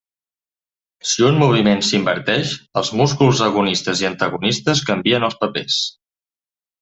Si un moviment s'inverteix, els músculs agonistes i antagonistes canvien els papers.